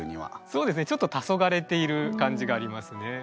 そうですねちょっとたそがれている感じがありますね。